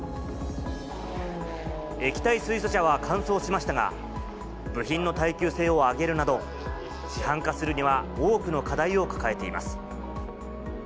液体水素車は完走しましたが、部品の耐久性を上げるなど、市販化するには多くの課題を抱えています。